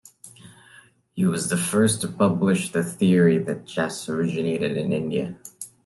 He was the first to publish the theory that chess originated in India.